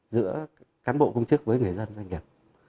giữa cán bộ công chức với người dân doanh nghiệp